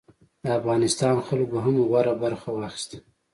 د افغانستان خلکو هم غوره برخه واخیسته.